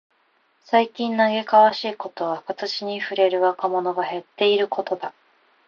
最近嘆かわしいことは、活字に触れる若者が減っていることだ。